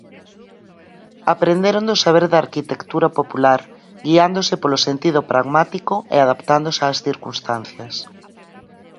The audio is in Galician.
Aprenderon do saber da arquitectura popular, guiándose polo sentido pragmático e adaptándose ás circunstancias.